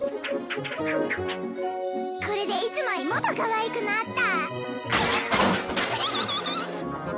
これでいつもよりもっとかわいくなった。